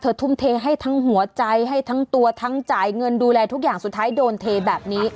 ทุ่มเทให้ทั้งหัวใจให้ทั้งตัวทั้งจ่ายเงินดูแลทุกอย่างสุดท้ายโดนเทแบบนี้